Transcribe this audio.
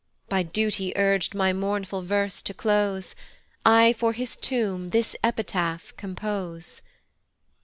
By duty urg'd my mournful verse to close, I for his tomb this epitaph compose.